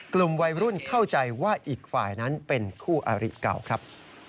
กลุ่มวัยรุ่นเข้าใจว่าอีกฝ่ายนั้นเป็นคู่อาริเก่าครับ